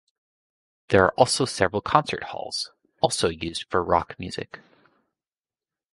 There are also several concert halls, also used for rock music.